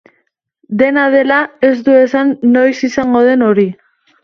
Dena dela, ez du esan noiz izango den hori.